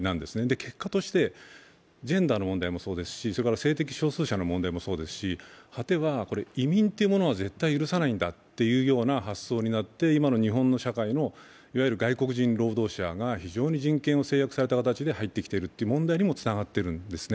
結果としてジェンダーの問題もそうですし、性的少数者の問題もそうですし果ては移民というものは絶対許さないんだという発想になって、今の日本の社会のいわゆる外国人労働者が非常に人権を制約された形で入ってきているという問題にもつながってきているんですね。